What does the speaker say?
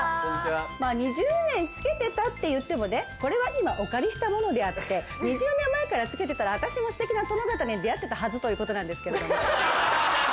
２０年着けてたっていってもねこれは今お借りしたものであって２０年前から着けてたら私もステキな殿方に出会ってたはずということなんですけれども。